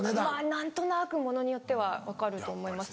何となくものによっては分かると思います。